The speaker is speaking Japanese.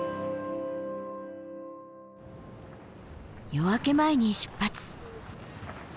夜明け前に出発。